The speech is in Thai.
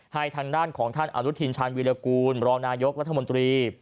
ให้ทางด้านของท่านอนุทินชาญวิรกูลบรรณายกรรมนตรี